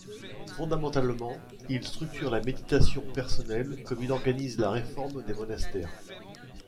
Fondamentalement, il structure la méditation personnelle comme il organise la réforme des monastères.